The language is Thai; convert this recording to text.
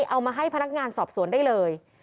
เอามาให้พนักงานสอบสวนได้เลย